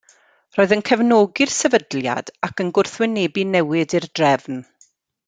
Roedd yn cefnogi'r sefydliad ac yn gwrthwynebu newid i'r drefn.